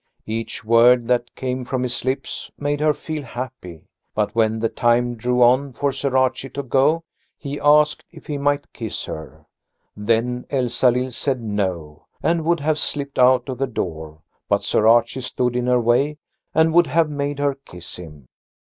Each word that came from his lips made her feel happy. But when the time drew on for Sir Archie to go, he asked if he might kiss her. Then Elsalill said No, and would have slipped out of the door, but Sir Archie stood in her way and would have made her kiss him.